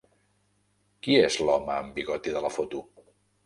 Qui és l'Home amb bigoti de la foto?